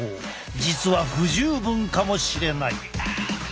実は不十分かもしれない！